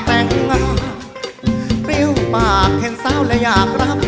เพลงที่๔ครับมูลค่า๔๐๐๐๐บาทนะครับ